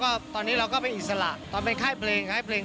การเดินทางปลอดภัยทุกครั้งในฝั่งสิทธิ์ที่หนูนะคะ